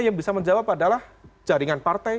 yang bisa menjawab adalah jaringan partai